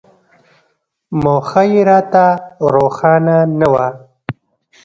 موخه یې راته روښانه نه وه.